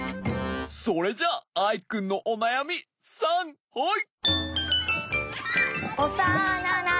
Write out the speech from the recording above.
それじゃあアイくんのおなやみさんはい！